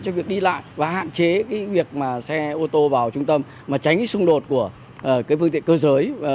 cho việc đi lại và hạn chế cái việc mà xe ô tô vào trung tâm mà tránh cái xung đột của cái phương tiện cơ giới